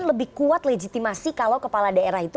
lebih kuat legitimasi kalau kepala daerah itu